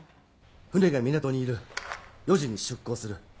船が港にいる４時に出港する。